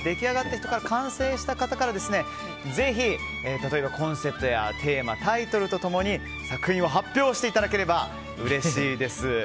完成した方からぜひ、コンセプトやテーマタイトルと共に作品を発表していただければうれしいです。